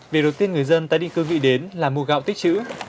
việc đầu tiên người dân tái định cư ghi đến là mua gạo tích chữ